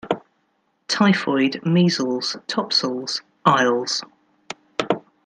Typhoid; measles, topsails, aisles;